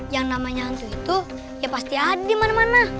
yang namanya hantu itu ya pasti ada dimana mana